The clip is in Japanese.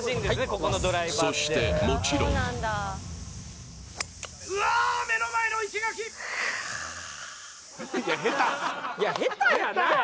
そしてもちろんカーッ下手やな